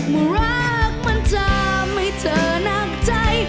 ว่ารักมันทำให้เธอหนักใจ